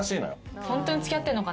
ホントに付き合ってるのかな？